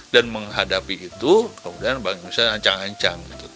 dan menghadapi itu kemudian bank indonesia ancang ancang gitu